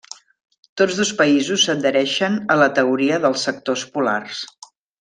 Tots dos països s'adhereixen a la Teoria dels Sectors Polars.